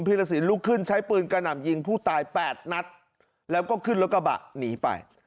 พีระสินลุกขึ้นใช้ปืนกระหน่ำยิงผู้ตาย๘นัทแล้วก็ขึ้นแล้วก็บะหนีไป